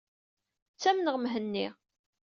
Ttamneɣ Mhenni.